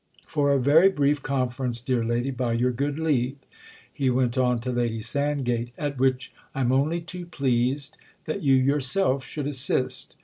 For a very brief conference, dear lady, by your good leave," he went on to Lady Sandgate; "at which I'm only too pleased that you yourself should assist.